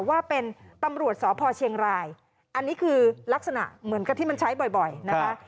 ว่าเป็นตำรวจสพเชียงรายอันนี้คือลักษณะเหมือนกับที่มันใช้บ่อยนะคะ